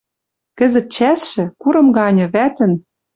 Кӹзӹт чӓсшӹ — курым ганьы, вӓтӹн